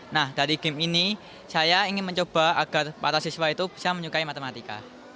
nah dari game ini saya ingin mencoba agar para siswa itu bisa menyukai matematika